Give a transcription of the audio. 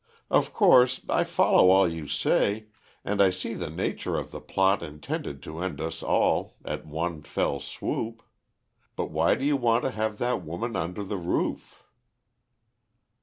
"Of course, I follow all you say, and I see the nature of the plot intended to end us all at one fell swoop. But why do you want to have that woman under the roof?"